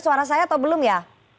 suara saya atau belum ya